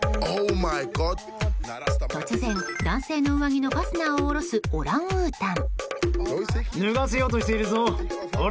突然、男性の上着のファスナーを下ろすオランウータン。